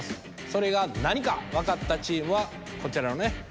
それが何か分かったチームはこちらのね